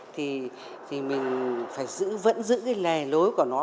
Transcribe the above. thì mình phải giữ vẫn giữ cái lề lối của nó